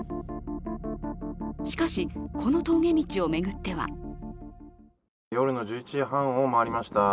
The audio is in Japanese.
しかし、この峠道を巡っては夜の１１時半を回りました。